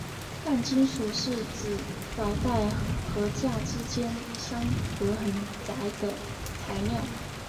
半金属是指导带和价带之间相隔很窄的材料。